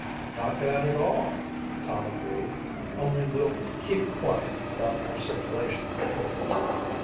"Not bad at all," Tom agreed. "Only, we'll keep quiet about our circulation activities.